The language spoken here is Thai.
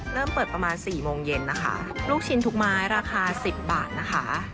เริ่มเปิดประมาณสี่โมงเย็นนะคะลูกชิ้นทุกไม้ราคาสิบบาทนะคะ